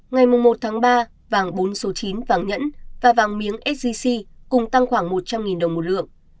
ngày một tháng ba vàng bốn số chín vàng nhẫn và vàng miếng sgc cùng tăng khoảng một trăm linh đồng một lượng